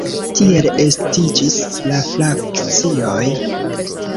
Tiel estiĝis la frakcioj.